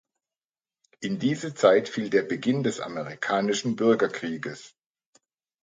In diese Zeit fiel der Beginn des Amerikanischen Bürgerkrieges.